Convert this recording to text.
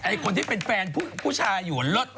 คนที่เป็นแฟนผู้ชายอยู่เลิศ